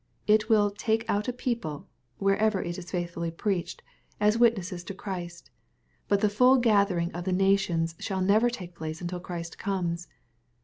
It will "take out a people," wherever it is faithfully preached, as witnesses to Christ, but the full gathering of the nations shall never take place until Christ comes.